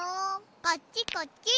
こっちこっち。